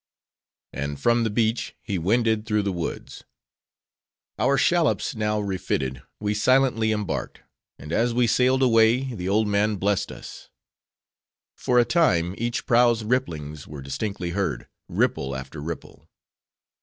And from the beach, he wended through the woods. Our shallops now refitted, we silently embarked; and as we sailed away, the old man blessed us. For a time, each prow's ripplings were distinctly heard: ripple after ripple.